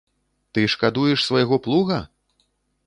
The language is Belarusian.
Ты шкадуеш свайго плуга?